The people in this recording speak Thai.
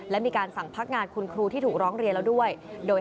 และมีการสั่งพักงานคุณครูที่ถูกร้องเรียนแล้วด้วย